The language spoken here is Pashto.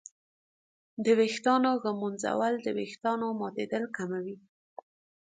د ویښتانو ږمنځول د ویښتانو ماتېدل کموي.